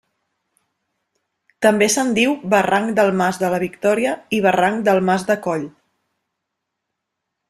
També se'n diu Barranc del Mas de la Victòria i Barranc del mas de Coll.